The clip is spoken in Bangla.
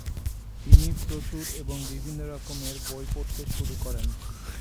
তিনি প্রচুর এবং বিভিন্ন রকমের বই পড়তে শুরু করেন।